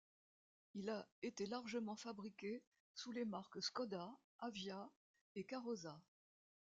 Il a été largement fabriqué sous les marques Škoda, Avia et Karosa.